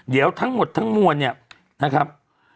เดี๋ยวทั้งหมดทั้งมวลเนี่ยนะครับ